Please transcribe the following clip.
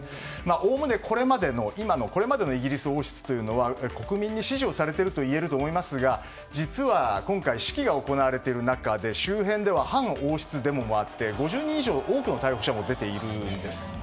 おおむね、これまでのイギリス王室というのは国民に支持されているといえると思いますが実は今回、式が行われている中で周辺では反王室デモもあって５０人以上という多くの逮捕者も出ているんです。